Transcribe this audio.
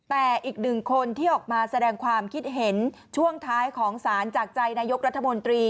แต่อีกหนึ่งคนที่ออกมาแสดงความคิดเห็นช่วงท้ายของสารจากใจนายกรัฐมนตรี